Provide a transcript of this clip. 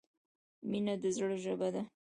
مینه د زړه ژبه ده.